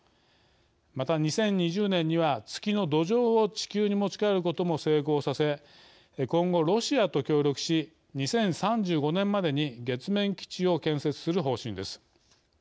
また２０２０年には月の土壌を地球に持ち帰ることも成功させ今後ロシアと協力し２０３５年までに月面基地を建設する方針です。